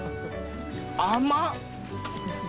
甘っ！